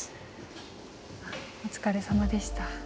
お疲れさまでした。